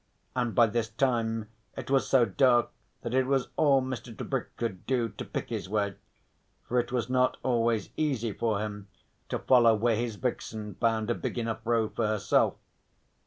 And by this time it was so dark that it was all Mr. Tebrick could do to pick his way, for it was not always easy for him to follow where his vixen found a big enough road for herself.